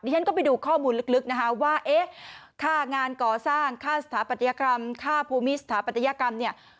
ฉันก็ไปดูข้อมูลลึกนะคะว่าเอ๊ะค่างานก่อสร้างค่าสถาปัตยกรรมค่าภูมิสถาปัตยกรรมเนี่ย